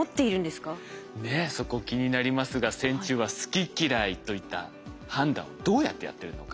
ねっそこ気になりますが線虫は「好き・嫌い」といった判断をどうやってやってるのか。